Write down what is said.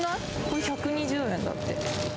これ、１２０円だって。